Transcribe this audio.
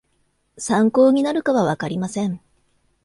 参考になるかはわかりません